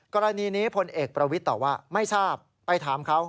กรณีนี้พลเอกประวิทย์ตอบว่าไม่ทราบไปถามเขา